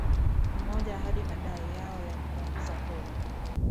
mmoja hadi madai yao ya kupunguza kodi